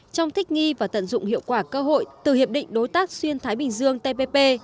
trong thích nghi và tận dụng hiệu quả cơ hội từ hiệp định đối tác xuyên thái bình dương tpp